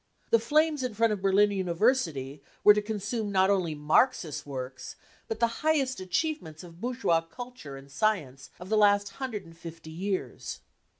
The flames in front of Berlin University were to consume not only Marxist . works, but the highest achievements of bourgeois culture and science of the last hundred and fifty years.